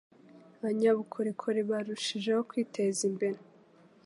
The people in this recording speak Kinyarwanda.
abanyabukorikori barushijeho kwiteza imbere